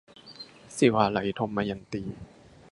ศิวาลัย - ทมยันตี